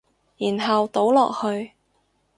然後倒落去